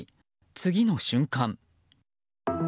次の瞬間。